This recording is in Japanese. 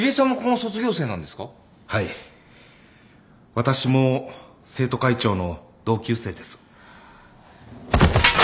私も生徒会長の同級生です。